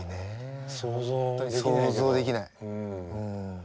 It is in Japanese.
想像できないけど。